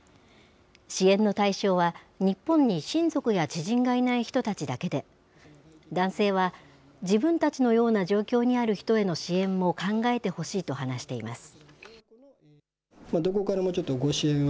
支援の対象は、日本に親族や知人がいない人たちだけで、男性は、自分たちのような状況にある人への支援も考えてほしいと話しています。